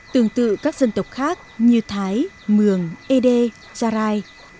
tương tự các dân tộc khác như thái mường ê đê gia rai